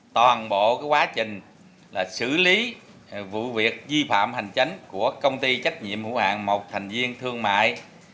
toàn bộ quá trình xử lý vụ việc di phạm hành chánh của công ty trách nhiệm hữu hạn một thành viên thương mại